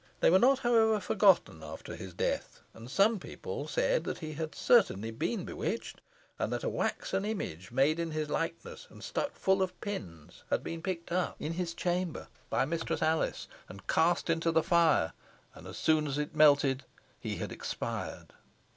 They were not, however, forgotten after his death, and some people said that he had certainly been bewitched, and that a waxen image made in his likeness, and stuck full of pins, had been picked up in his chamber by Mistress Alice and cast into the fire, and as soon as it melted he had expired.